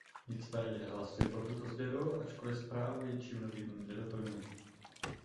Nicméně hlasuji pro tuto změnu, ačkoli zprávu ničím novým nedoplňuje.